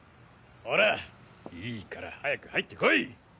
ほらいいから早く入ってこい！